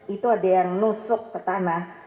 itu ada yang nusuk ke tanah